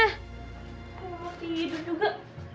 oh tidur juga